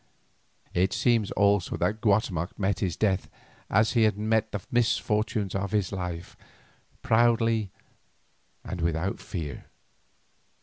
It seems also that Guatemoc met his death as he had met the misfortunes of his life, proudly and without fear.